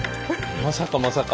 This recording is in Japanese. まさかまさか。